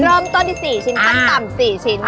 เริ่มต้นที่๔ชิ้นขั้นต่ำ๔ชิ้น